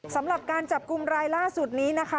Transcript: สำหรับการจับกลุ่มรายล่าสุดนี้นะคะ